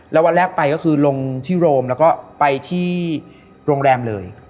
แล้ววันแรกไปก็คือลงที่โรมแล้วก็ไปที่โรงแรมเลย